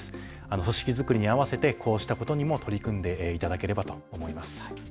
組織作りに合わせてこうしたことにも取り組んでいただければと思います。